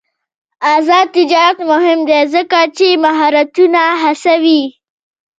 آزاد تجارت مهم دی ځکه چې مهارتونه هڅوي.